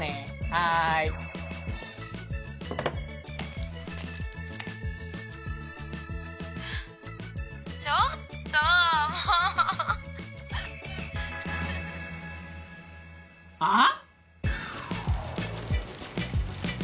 はいちょっともうああ！？